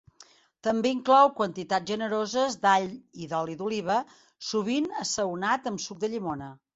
També inclou quantitats generoses d'all i d'oli d'oliva, sovint assaonat amb suc de llimona.